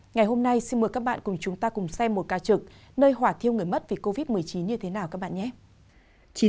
ngày hôm nay xin mời các bạn cùng chúng ta cùng xem một ca trực nơi hòa thiêu người mất vì covid một mươi chín như thế nào các bạn nhé